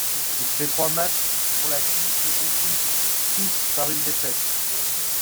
Il fait trois matchs pour la qui se concluent tous par une défaite.